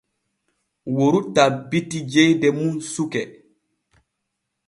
Woru tabbiti jeyde mum suke.